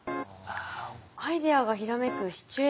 アイデアがひらめくシチュエーション。